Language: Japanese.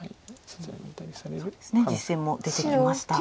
実戦も出てきました。